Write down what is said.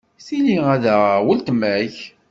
Tili ad aɣeɣ weltma-k.